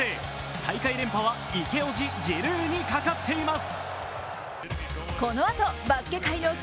大会連覇はイケオジ、ジルーにかかっています。